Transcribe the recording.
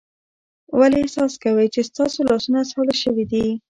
ولې احساس کوئ چې ستاسو لاسونه ساړه شوي دي؟